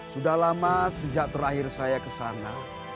sudah lama sejak terakhir saya ke sana